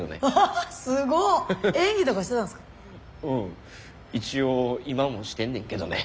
うん一応今もしてんねんけどね。